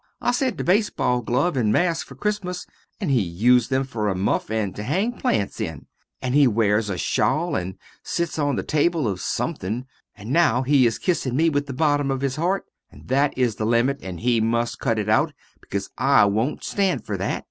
I sent a baseball glove and mask for Cristmas and he used them fer a muff and to hang plants in, and he wares a shawl and sits on the table of sumthing, and now he is kissing me with the bottom of his heart and that is the limit and he must cut it out because I wont stand fer that.